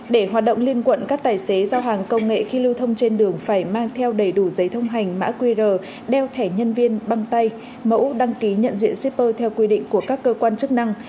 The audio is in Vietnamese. để hoạt động liên quận các tài xế giao hàng công nghệ khi lưu thông trên đường phải mang theo đầy đủ giấy thông hành mã qr đeo thẻ nhân viên băng tay mẫu đăng ký nhận diện shipper theo quy định của các cơ quan chức năng